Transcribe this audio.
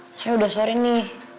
sebenernya udah sore nih